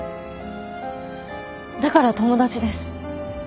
だから友達です。